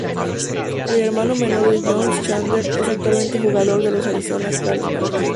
El hermano menor de Jones, Chandler, es actualmente jugador de los Arizona Cardinals.